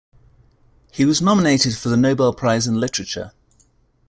He was nominated for the Nobel Prize in Literature.